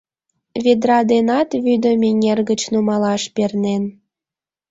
Ведра денат вӱдым эҥер гыч нумалаш пернен.